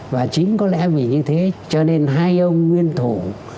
và chính có lẽ vì như thế cho nên hai ông nguyên thủ